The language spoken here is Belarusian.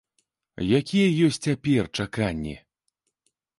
Якія ёсць цяпер чаканні?